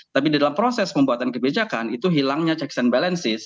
tapi di dalam proses pembuatan kebijakan itu hilangnya checks and balances